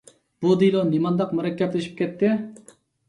بۇ دېلو نېمانداق مۇرەككەپلىشىپ كەتتى!